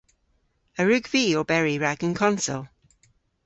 A wrug vy oberi rag an konsel?